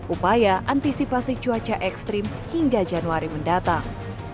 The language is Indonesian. upaya antisipasi cuaca ekstrim hingga januari mendatang